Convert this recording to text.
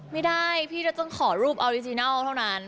ไม่ได้พี่จะต้องขอรูปออริจินัลเท่านั้น